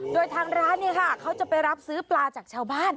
โดยทางร้านเนี่ยค่ะเขาจะไปรับซื้อปลาจากชาวบ้าน